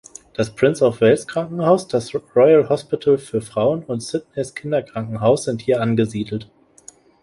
Das Prince-of-Wales-Krankenhaus, das Royal Hospital für Frauen und Sydneys Kinderkrankenhaus sind hier angesiedelt.